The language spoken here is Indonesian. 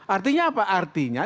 artinya apa artinya